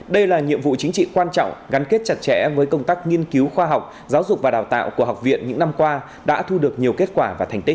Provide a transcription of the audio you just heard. đây là nhiệm vụ chính trị quan trọng gắn kết chặt chẽ với công tác nghiên cứu khoa học giáo dục và đào tạo của học viện những năm qua đã thu được nhiều kết quả và thành tích